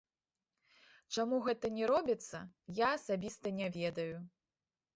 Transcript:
Чаму гэта не робіцца, я асабіста не ведаю.